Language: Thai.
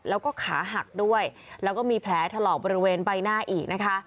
แล้วก็ขาหักด้วยแล้วก็มีแผลถลอกบริเวณใบหน้าอีกนะคะ